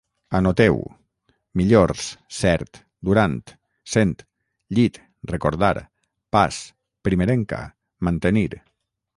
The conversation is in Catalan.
Anoteu: millors, cert, durant, cent, llit, recordar, pas, primerenca, mantenir